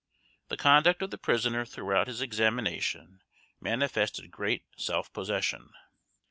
The conduct of the prisoner throughout his examination manifested great self possession.